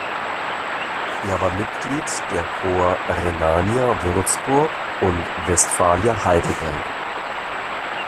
Er war Mitglied der Corps Rhenania Würzburg und Guestphalia Heidelberg.